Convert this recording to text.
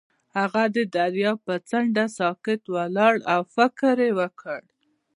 هغه د دریاب پر څنډه ساکت ولاړ او فکر وکړ.